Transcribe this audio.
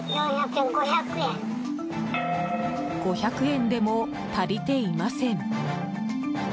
５００円でも、足りていません。